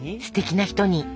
すてきな人に。